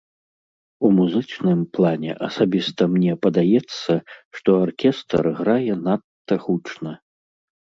У музычным плане асабіста мне падаецца, што аркестр грае надта гучна.